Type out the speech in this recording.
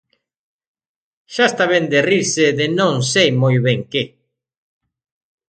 ¡Xa está ben de rirse de non sei moi ben que!